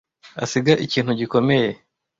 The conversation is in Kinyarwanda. asiga ikintu gikomeye